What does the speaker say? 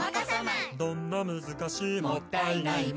「どんな難しいもったいないも」